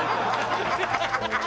ハハハハ！